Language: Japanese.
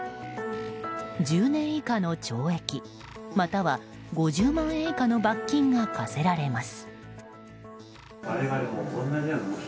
１０年以下の懲役または５０万円以下の罰金が科せられます。